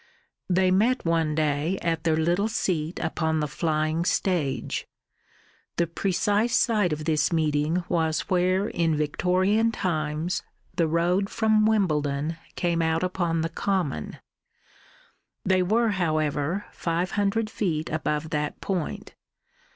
They met one day at their little seat upon the flying stage. The precise site of this meeting was where in Victorian times the road from Wimbledon came out upon the common. They were, however, five hundred feet above that point.